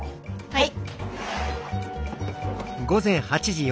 はい。